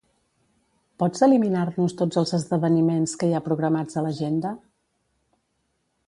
Pots eliminar-nos tots els esdeveniments que hi ha programats a l'agenda?